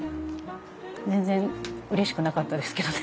全然うれしくなかったですけどね